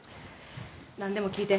なんでも聞いて。